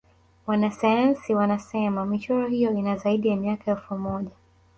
wanasayansi wanasena michoro hiyo ina zaidi ya miaka elfu moja